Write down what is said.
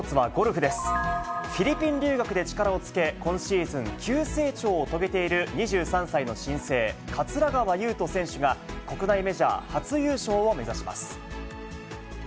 フィリピン留学で力をつけ、今シーズン急成長を遂げている２３歳の新星、桂川有人選手が国内メジャー初優勝を目指します。